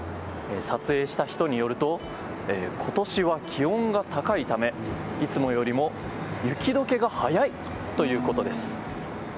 撮影した人によると今年は気温が高いためいつもよりも雪解けが早いということです。